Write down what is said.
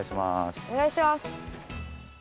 おねがいします。